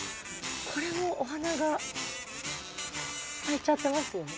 これもお花が咲いちゃってますよね。